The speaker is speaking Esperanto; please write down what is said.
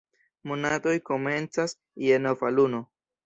Monatoj komencas je nova luno.